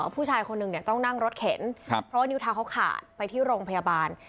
ผู้ชายคนหนึ่งต้องนั่งรถเข็นเพราะว่านิ้วเท้าเขาขาดไปที่โรงพยาบาล